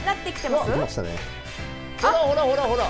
ほらほらほらほら。